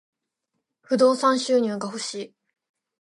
不動産収入が欲しい。